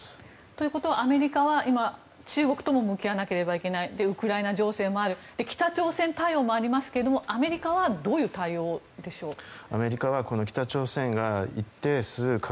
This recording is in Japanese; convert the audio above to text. ということはアメリカは中国とも向き合わなければいけないウクライナ情勢もある北朝鮮対応もありますがアメリカはどういう対応でしょうか。